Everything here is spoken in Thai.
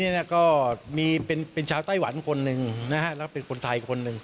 เกี่ยวข้องกับคดีนี่ก็มีเป็นชาวไต้หวัณคนหนึ่งเป็นคนไทยคนหนึ่ง